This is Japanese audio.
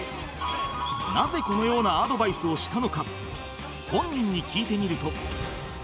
なぜこのようなアドバイスをしたのか本人に聞いてみると